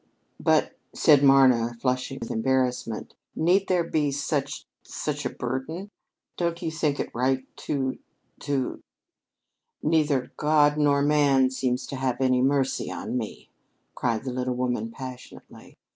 "But," said Marna, blushing with embarrassment, "need there be such such a burden? Don't you think it right to to " "Neither God nor man seems to have any mercy on me," cried the little woman passionately.